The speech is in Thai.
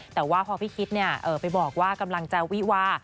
แต่ว่าพอพี่คิดไปบอกว่ากำลังจะวิวา